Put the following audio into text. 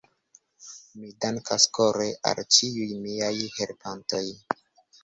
Mi dankas kore al ĉiuj miaj helpantoj.